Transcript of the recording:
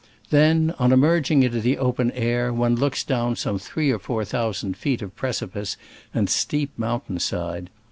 Then, on emerging into the open air, one looks down some three or four thousand feet of precipice and steep mountain side.